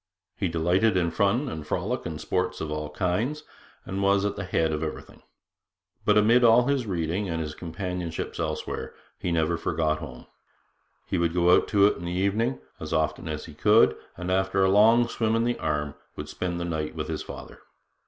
He delighted in fun and frolic and sports of all kinds, and was at the head of everything. But amid all his reading and his companionships elsewhere, he never forgot home. He would go out to it in the evening, as often as he could, and after a long swim in the Arm would spend the night with his father.